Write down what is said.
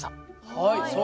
はい。